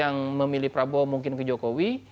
yang memilih prabowo mungkin ke jokowi